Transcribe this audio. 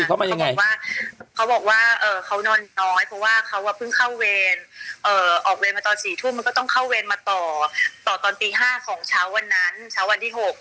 เขาบอกว่าเขาบอกว่าเขานอนน้อยเพราะว่าเขาเพิ่งเข้าเวรออกเวรมาตอน๔ทุ่มมันก็ต้องเข้าเวรมาต่อตอนตี๕ของเช้าวันนั้นเช้าวันที่๖